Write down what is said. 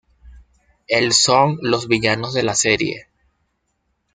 El son los villanos de la serie.